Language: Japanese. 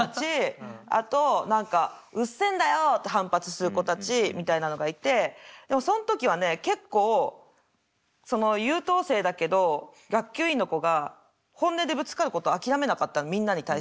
あと何か「うっせんだよ！」って反発する子たちみたいなのがいてでもそん時はね結構その優等生だけど学級委員の子が本音でぶつかることを諦めなかったのみんなに対して。